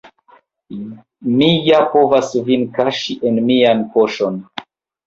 Mi ja povas vin kaŝi en mian poŝon!